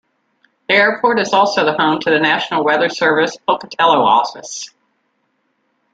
The airport is also the home to the National Weather Service Pocatello Office.